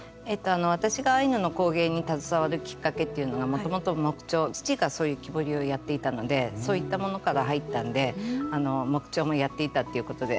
私がアイヌの工芸に携わるきっかけというのがもともと木彫父がそういう木彫りをやっていたのでそういったものから入ったんで木彫もやっていたということで。